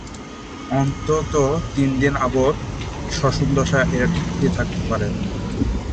অন্তত তিনদিন অবাত শ্বসন দশায় এরা টিকে থাকতে পারে।